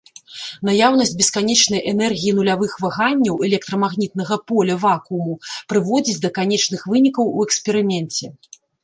Наяўнасць бесканечнай энергіі нулявых ваганняў электрамагнітнага поля вакууму прыводзіць да канечных вынікаў у эксперыменце.